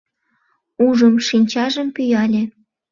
Ужым, шинчажым пӱяле.